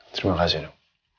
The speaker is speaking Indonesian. terima kasih dok